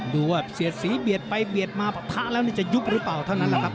ดูว่าเสียดสีเบียดไปเบียดมาปะทะแล้วนี่จะยุบหรือเปล่าเท่านั้นแหละครับ